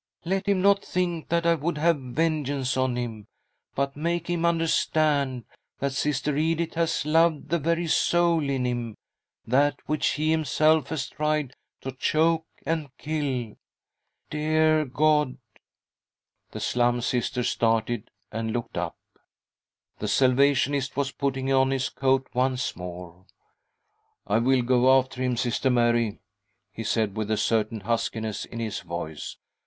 Let him not think that I would have vengeance on him, but make him understand that Sister Edith has loved the very soul in him — that which he himself has tried to choke and kill. Dear God— " The Slum Sister started and looked up. The Salvationist was putting on his coat once more. ." I will go after him, Sister Mary," he said, with a certain huskiness in his voice.